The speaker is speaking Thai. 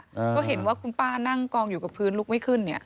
ก็เห็นว่าคุณป้านั่งกองอยู่กับพื้นลุกไม่ขึ้นเนี่ย